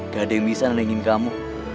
gak ada yang bisa nenengin kamu